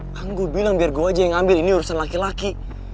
bang gue bilang biar gue aja yang ambil ini urusan laki laki